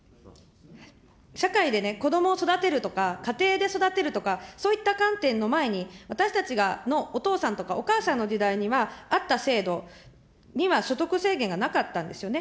社会でこどもを育てるとか、家庭で育てるとか、そういった観点の前に、私たちのお父さんとか、お母さんの時代にはあった制度には所得制限がなかったんですよね。